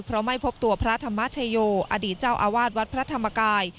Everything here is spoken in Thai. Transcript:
เพราะไม่พบตัวพระธรรมชโยอดีตเจ้าอาวาสวัดพระธรรมกาย